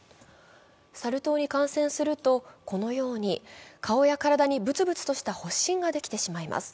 サル痘に感染すると、このように顔や体にブツブツとした発疹ができてしまいます。